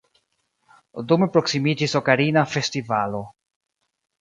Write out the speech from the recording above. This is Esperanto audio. Dume proksimiĝis Okarina Festivalo.